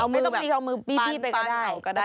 ไม่ต้องมีแบบปานเขาก็ได้